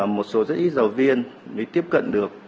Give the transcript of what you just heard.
một số rất ít giáo viên mới tiếp cận được